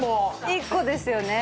１個ですよね。